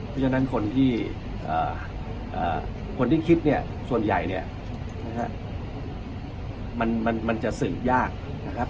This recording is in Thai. เพราะฉะนั้นคนที่คนที่คิดเนี่ยส่วนใหญ่เนี่ยมันจะสืบยากนะครับ